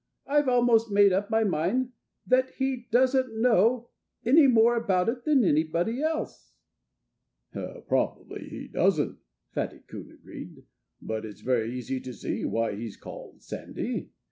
"I've almost made up my mind that he doesn't know any more about it than anybody else." "Probably he doesn't," Fatty Coon agreed. "But it's easy to see why he's called Sandy.